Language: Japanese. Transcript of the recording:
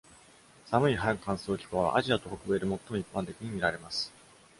寒い半乾燥気候は、アジアと北米で最も一般的に見られます。